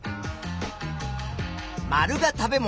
●が食べ物